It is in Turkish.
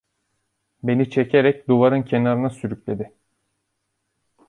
Beni çekerek duvarın kenarına sürükledi.